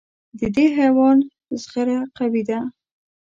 د دې حیوان زغره قوي ده.